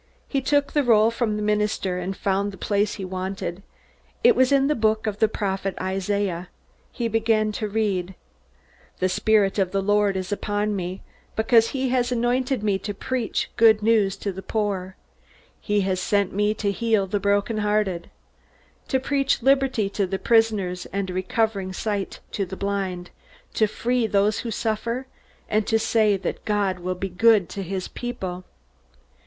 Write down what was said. He took the roll from the minister, and found the place he wanted. It was in the book of the Prophet Isaiah. He began to read: "The Spirit of the Lord is upon me, because he has anointed me to preach good news to the poor; he has sent me to heal the broken hearted, to preach liberty to the prisoners and recovering of sight to the blind, to set free those who suffer, and to say that God will be good to his people."